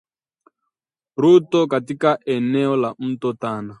Ruto katika eneo la mto Tana